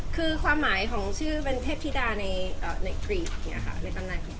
คือความหมายของชื่อเป็นเทพธิดาในกรีก